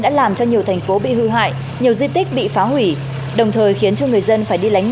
đã làm cho nhiều thành phố bị hư hại nhiều di tích bị phá hủy đồng thời khiến cho người dân phải đi lánh